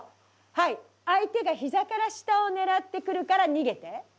はい相手が膝から下を狙ってくるから逃げて。